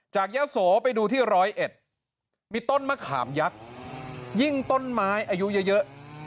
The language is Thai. ยะโสไปดูที่ร้อยเอ็ดมีต้นมะขามยักษ์ยิ่งต้นไม้อายุเยอะ